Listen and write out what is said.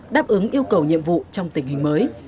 đáp ứng yêu cầu nhiệm vụ trong tình hình mới